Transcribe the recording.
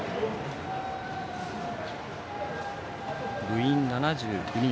部員７９人。